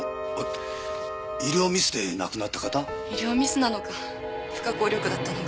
医療ミスなのか不可抗力だったのか